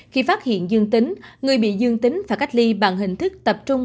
khi phát hiện dương tính người bị dương tính và cách ly bằng hình thức tập trung